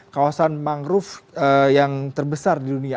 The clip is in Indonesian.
kawasan mangrove yang terbesar di dunia